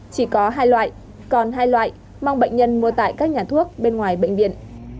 chỉ có hai loại còn hai loại mong bệnh nhân mua tại các nhà thuốc bên ngoài bệnh viện